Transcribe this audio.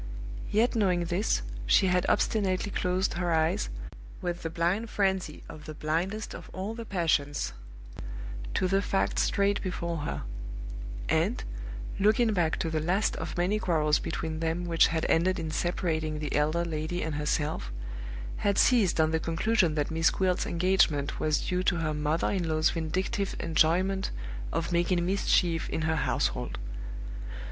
Yet knowing this, she had obstinately closed her eyes, with the blind frenzy of the blindest of all the passions, to the facts straight before her; and, looking back to the last of many quarrels between them which had ended in separating the elder lady and herself, had seized on the conclusion that Miss Gwilt's engagement was due to her mother in law's vindictive enjoyment of making mischief in her household.